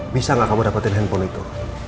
bisa nggak kamu dapetin handphone itu